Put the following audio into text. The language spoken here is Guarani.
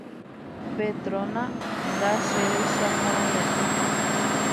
Petrona ndacherechaporãiete